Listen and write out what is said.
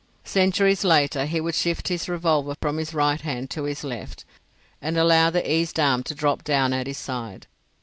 Centuries later he would shift his revolver from his right hand to his left and allow the eased arm to drop down at his side.